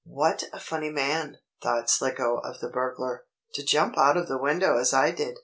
"What a funny man," thought Slicko of the burglar, "to jump out of the window as I did.